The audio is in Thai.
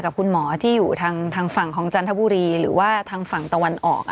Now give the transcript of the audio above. คุณหมอที่อยู่ทางฝั่งของจันทบุรีหรือว่าทางฝั่งตะวันออก